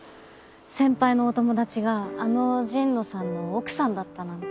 先輩のお友達があの神野さんの奥さんだったなんて。